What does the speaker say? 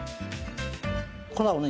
粉をね